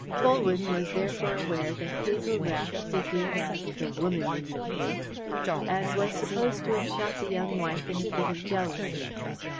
Colwyn was therefore aware that Hazel Rath figured as "the woman in the case," and was supposed to have shot the young wife in a fit of jealousy.